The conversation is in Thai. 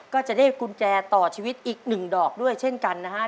ก็จะได้กุญแจต่อชีวิตอีกหนึ่งดอกด้วยเช่นกันนะฮะ